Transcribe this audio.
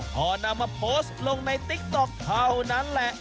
พอนำมาโพสต์ลงในติ๊กต๊อกเท่านั้นแหละ